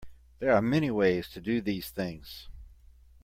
There are many ways to do these things.